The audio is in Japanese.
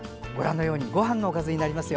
ごはんのおかずになりますよ。